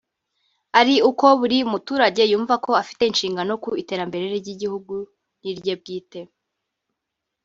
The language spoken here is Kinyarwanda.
ari uko buri muturage yumva ko afite inshingano ku iterambere ry’igihugu n’irye bwite